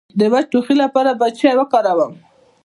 د وچ ټوخي لپاره باید څه شی وکاروم؟